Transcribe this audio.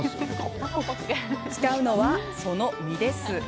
使うのは、その実です。